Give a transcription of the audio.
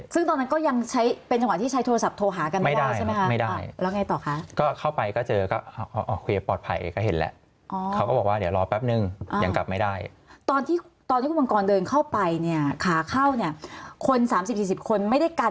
ซึ่งตอนนั้นก็ยังใช้เป็นจังหวะที่ใช้โทรศัพท์โทรหากันด้วยใช่ไหมครับไม่ได้ไม่ได้